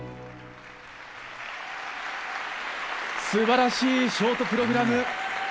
素晴らしいショートプログラム。